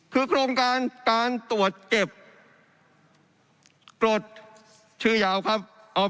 คือโครงการการตรวจเก็บกรดชื่อยาวครับ